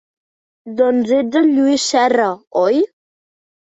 Doncs ets el Lluís Serra, oi?